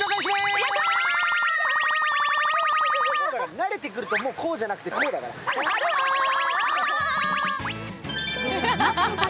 慣れてくると、こうじゃなくてこうだから。